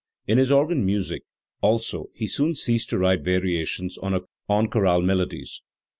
In his organ music also he soon ceased to write variations on chorale melodies.